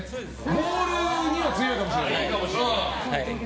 ボールには強いかもしれない。